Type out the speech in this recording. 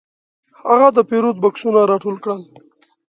هغه د پیرود بکسونه راټول کړل.